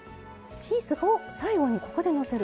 チーズを最後にここでのせる。